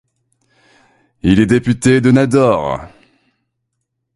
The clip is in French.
Il est député de Nador.